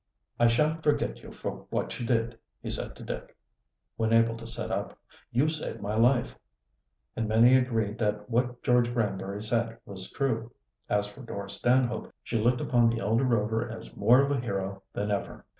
"I shan't forget you for what you did," he said to Dick, when able to sit up. "You saved my life." And many agreed that what George Granbury said was true. As for Dora Stanhope, she looked upon the elder Rover as more of a hero than ever.